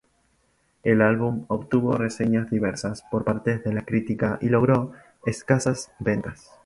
El álbum obtuvo reseñas diversas por parte de la crítica y logró escasas ventas.